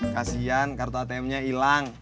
kasian kartu atm nya hilang